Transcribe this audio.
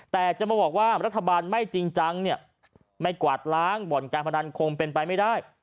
แต่จะมาบอกว่ารัฐบาลไม่จริงจังเนี่ยไม่กวาดล้างบ่อนการพนันคงเป็นไปไม่ได้